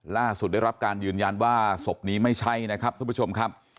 ล่าสุดได้รับการยืนยันว่าศพนี้ไม่ใช่นะครับท่านผู้ชมครับ